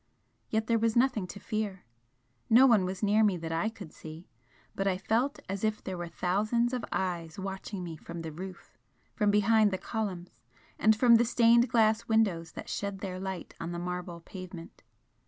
Yet there was nothing to fear. No one was near me that I could see, but I felt as if there were thousands of eyes watching me from the roof, from behind the columns, and from the stained glass windows that shed their light on the marble pavement.